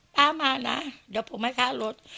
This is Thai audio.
ป้ามานะเดี๋ยวผมให้ค่ารถ